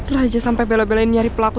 raja sampai bela belain nyari pelaku